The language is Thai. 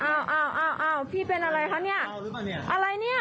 อ้าวอ้าวอ้าวพี่เป็นอะไรคะเนี้ยอ้าวรู้ป่ะเนี้ยอะไรเนี้ย